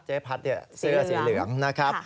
พัดเสื้อสีเหลืองนะครับ